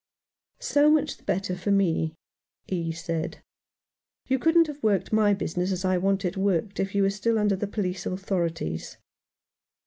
" So much the better for me," he said ;" you couldn't have worked my business as I want it worked if you were still under the police authorities."